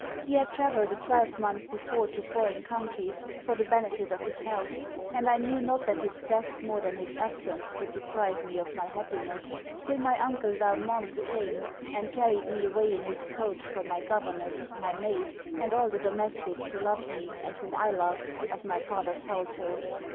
He had travelled a twelvemonth before to foreign countries, for the benefit of his health; and I knew not that his death more than his absence would deprive me of my happiness, till my uncle Valmont came and carried me away in his coach from my governess, my maid, and all the domestics who loved me and whom I loved, of my father's household.